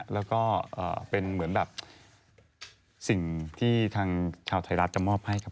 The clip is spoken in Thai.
แล้วก็เป็นเหมือนแบบสิ่งที่ทางชาวไทยรัฐจะมอบให้กับ